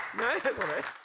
これ。